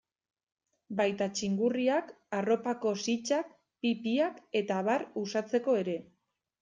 Baita txingurriak, arropako sitsak, pipiak eta abar uxatzeko ere.